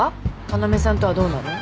要さんとはどうなの？